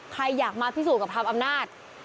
ใครอยากมาพิสูจนกับทางอำนาจ